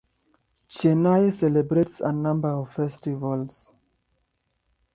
Chennai celebrates a number of festivals.